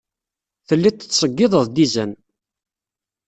Telliḍ tettṣeyyideḍ-d izan.